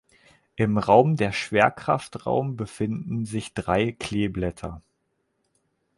Im Raum der Schwerkraft Raum befinden sich drei Kleeblätter.